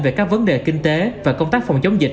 về các vấn đề kinh tế và công tác phòng chống dịch